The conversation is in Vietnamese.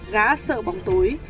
gã sợ bóng tối